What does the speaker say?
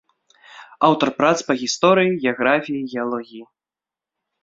Аўтар прац па гісторыі, геаграфіі, геалогіі.